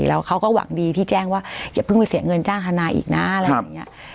แล้วเขาก็หวังดีที่แจ้งว่าอย่าเพิ่งไปเสียเงินจ้างทนายอีกนะอะไรอย่างนี้